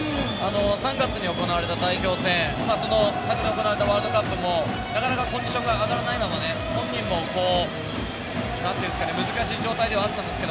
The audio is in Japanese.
３月に行われた代表戦昨年行われたワールドカップもコンディションが上がらない中で本人も難しい状態ではあったんですが